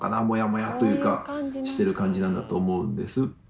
もやもやというかしてる感じなんだと思うんです。